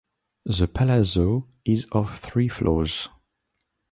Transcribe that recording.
The palazzo is of three floors.